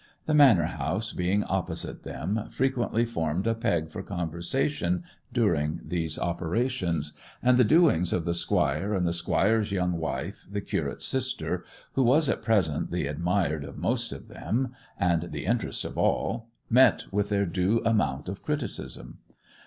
The manor house, being opposite them, frequently formed a peg for conversation during these operations; and the doings of the squire, and the squire's young wife, the curate's sister—who was at present the admired of most of them, and the interest of all—met with their due amount of criticism.